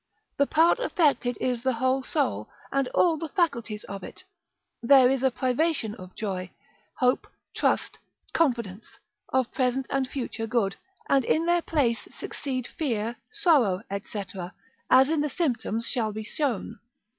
The part affected is the whole soul, and all the faculties of it; there is a privation of joy, hope, trust, confidence, of present and future good, and in their place succeed fear, sorrow, &c. as in the symptoms shall be shown.